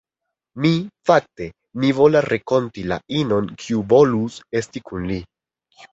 Mi, fakte, Mi volas renkonti la inon kiu volus esti kun li